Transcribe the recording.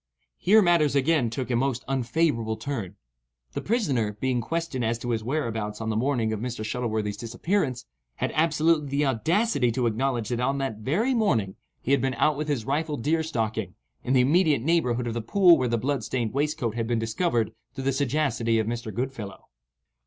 Here matters again took a most unfavourable turn. The prisoner, being questioned as to his whereabouts on the morning of Mr. Shuttleworthy's disappearance, had absolutely the audacity to acknowledge that on that very morning he had been out with his rifle deer stalking, in the immediate neighbourhood of the pool where the blood stained waistcoat had been discovered through the sagacity of Mr. Goodfellow.